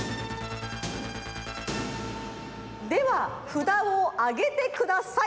ではふだをあげてください！